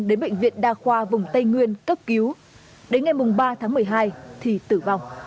đến bệnh viện đa khoa vùng tây nguyên cấp cứu đến ngày ba tháng một mươi hai thì tử vong